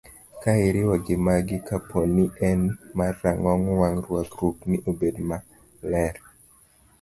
Ka iriwo gi magi, kapo ni en mar rang'ong wang', rwakruokni obed maler.